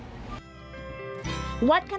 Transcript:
วัดขนาดสุดท้าย